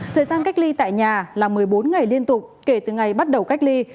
thời gian cách ly tại nhà là một mươi bốn ngày liên tục kể từ ngày bắt đầu cách ly